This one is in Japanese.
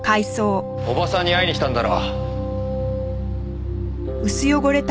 叔母さんに会いに来たんだろ？